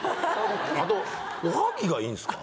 あとおはぎが良いんですか？